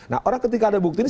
nah orang ketika ada bukti ini